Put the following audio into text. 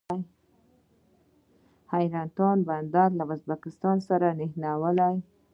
د حیرتان بندر له ازبکستان سره نښلي